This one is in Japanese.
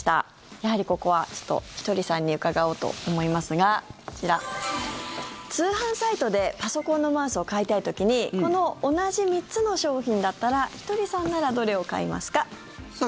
やはりここはちょっとひとりさんに伺おうと思いますがこちら、通販サイトでパソコンのマウスを買いたい時にこの同じ３つの商品だったらひとりさんならどれを買いますか？